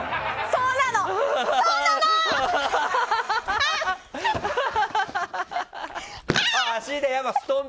そうなのー！